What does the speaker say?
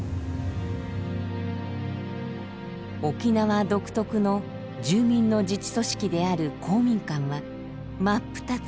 沖縄独特の住民の自治組織である公民館は真っ二つに分かれます。